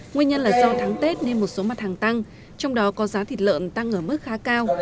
nguyên nhân là do tháng tết nên một số mặt hàng tăng trong đó có giá thịt lợn tăng ở mức khá cao